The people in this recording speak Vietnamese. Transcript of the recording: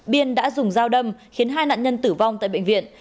biên đã dùng dao đâm khiến hai nạn nhân tử vong tại bệnh viện